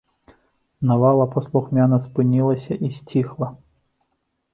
Навала паслухмяна спынілася і сціхла.